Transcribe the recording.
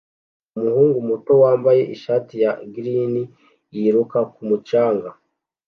umuhungu muto wambaye ishati ya gren yiruka ku mucanga